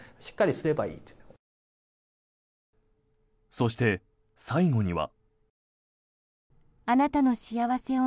そして、最後には。